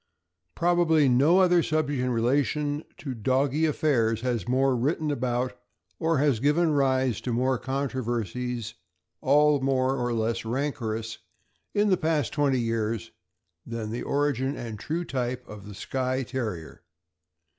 ROBABLY no other subject in relation to doggy affairs has been more written about or has given rise to more controversies, all more or less rancorous, in the past twenty years, than the origin and true type of the Skye Terrier.